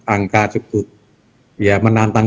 angka cukup ya menantang